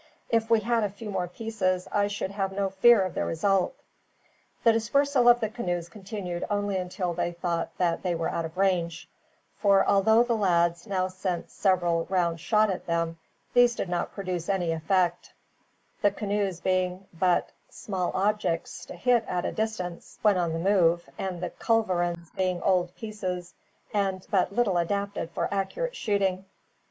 "If we had a few more pieces, I should have no fear of the result." The dispersal of the canoes continued only until they thought that they were out of range; for although the lads now sent several round shot at them, these did not produce any effect, the canoes being but small objects to hit at a distance, when on the move, and the culverins being old pieces, and but little adapted for accurate shooting.